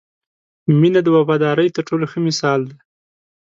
• مینه د وفادارۍ تر ټولو ښه مثال دی.